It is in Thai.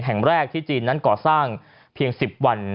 แห่งแรกที่จีนนั้นก่อสร้างเพียง๑๐วัน